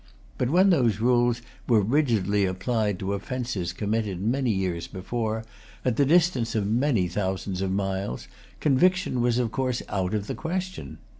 But when those rules were rigidly applied to offences committed many years before, at the distance of many thousands of miles, conviction was, of course, out of the question.